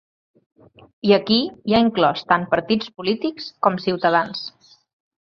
I aquí hi ha inclòs tant partits polítics com ciutadans.